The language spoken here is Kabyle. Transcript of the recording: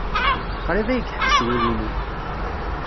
Qrib ay yeḥbis wul-inu.